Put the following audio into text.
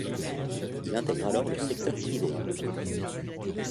Il intègre alors le secteur privé.